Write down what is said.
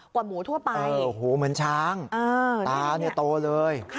กว่าหมูทั่วไปหูเหมือนช้างตาเนี่ยโตเลย